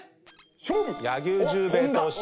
柳生十兵衛と色。